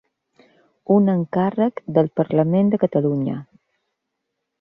Un encàrrec del Parlament de Catalunya.